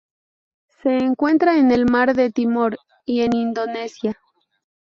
Se encuentra en el Mar de Timor y en Indonesia.